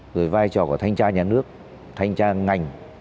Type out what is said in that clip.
rồi vai trò của thanh tra nhà nước thanh tra ngành